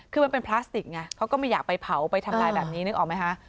คือมันเป็นพลาสติกไงเขาก็ไม่อยากไปเผาไปทำลายแบบนี้นึกออกไหมคะ